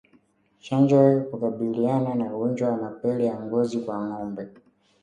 Chanjo hukabiliana na ugonjwa wa mapele ya ngozi kwa ngombe